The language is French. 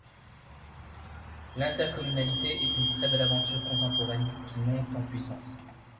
L’intercommunalité est une très belle aventure contemporaine, qui monte en puissance.